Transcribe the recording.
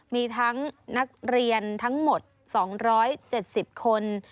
มีทั้งนักเรียนทั้งหมด๒๗๐คน